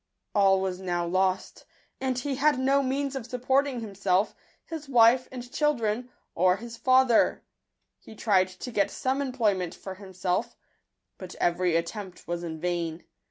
All was now lost, and he had no means of supporting himself, his wife and children, or his father. He tried to get some employment Digitized by Google kA/jOauuj for himself, but every attempt was in vain.